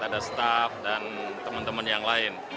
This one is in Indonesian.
ada staff dan teman teman yang lain